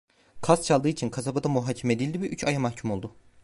Kaz çaldığı için kasabada muhakeme edildi ve üç aya mahkum oldu.